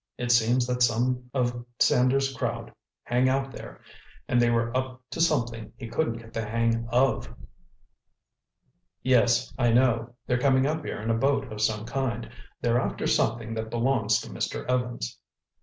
It seems that some of Sanders' crowd hang out there and they were up to something he couldn't get the hang of." "Yes, I know—they're coming up here in a boat of some kind. They're after something that belongs to Mr. Evans."